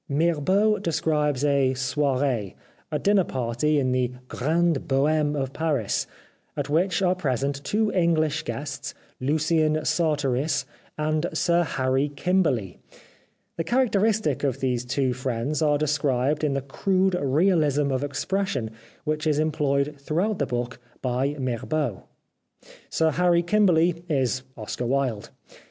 Mirbeau describes a soiree, a dinner party in the grande Boheme of Paris, at which are present two English guests, Lucien Sartorys and Sir Harry Kimberly. The characteristics of these two friends are de 344 Till: ^'^^' v^^^^"" c 2 O > o u ID o s < The Life of Oscar Wilde scribed in the crude realism of expression which is employed throughout the book by Mirbeau. Sir Harry Kimberly is Oscar Wilde.